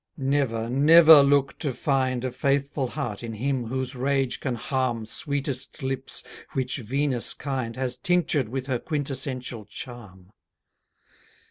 Never, never look to find A faithful heart in him whose rage can harm Sweetest lips, which Venus kind Has tinctured with her quintessential charm.